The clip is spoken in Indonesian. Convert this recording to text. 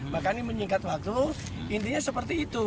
makanya menyingkat waktu intinya seperti itu